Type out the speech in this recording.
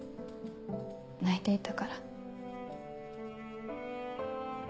泣いていたから。